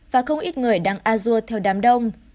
và không ít người đang azure theo đám đông